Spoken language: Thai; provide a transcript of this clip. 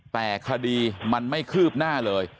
แต่คดีมันไม่คืบหน้าเลย